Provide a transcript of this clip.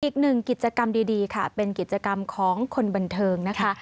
อีกหนึ่งกิจกรรมดีค่ะเป็นกิจกรรมของคนบันเทิงนะคะ